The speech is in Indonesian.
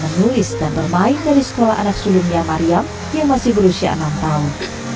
menulis dan bermain dari sekolah anak sulungnya mariam yang masih berusia enam tahun